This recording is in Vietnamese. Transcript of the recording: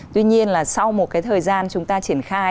tuy nhiên là sau một cái thời gian chúng ta triển khai